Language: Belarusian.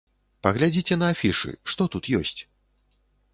Паглядзіце на афішы, што тут ёсць?